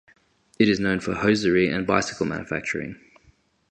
It is known for hosiery and bicycle manufacturing.